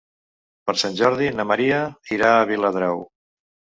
Per Sant Jordi na Maria irà a Viladrau.